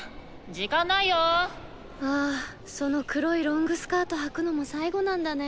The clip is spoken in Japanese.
ああその黒いロングスカートはくのも最後なんだね。